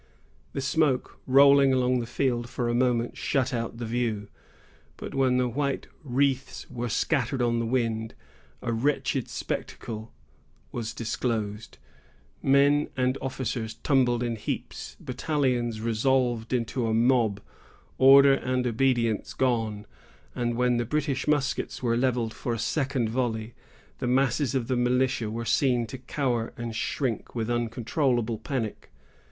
The smoke, rolling along the field, for a moment shut out the view; but when the white wreaths were scattered on the wind, a wretched spectacle was disclosed; men and officers tumbled in heaps, battalions resolved into a mob, order and obedience gone; and when the British muskets were levelled for a second volley, the masses of the militia were seen to cower and shrink with uncontrollable panic.